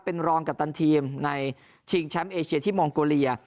เป็นรองกัปตันทีมในชิงแชมป์เอเชียที่มองโกเลีย